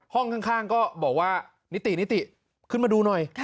ห้องข้างก็บอกว่านิตินิติขึ้นมาดูหน่อย